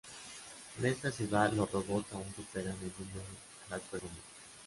En esta ciudad, los robots aún superan en número a las personas.